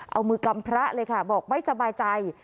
เอามือกำพระเลยค่ะบอกไม่สบายใจ